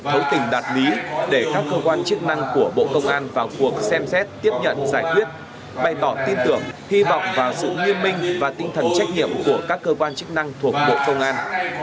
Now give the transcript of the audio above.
thấu tình đạt lý để các cơ quan chức năng của bộ công an vào cuộc xem xét tiếp nhận giải quyết bày tỏ tin tưởng hy vọng và sự nghiêm minh và tinh thần trách nhiệm của các cơ quan chức năng thuộc bộ công an